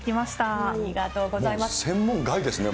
ありがとうございます。